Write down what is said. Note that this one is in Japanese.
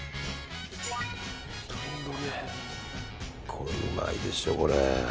これうまいでしょ。